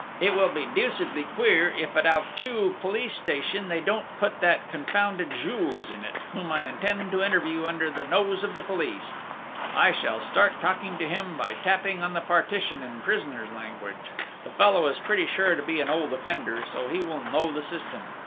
It will be deucedly queer if, at Auteuil police station, they don't put that confounded Jules in it, whom I intend to interview under the nose of the police!... I shall start talking to him by tapping on the partition in prisoner's language. The fellow is pretty sure to be an old offender, so he will know the system....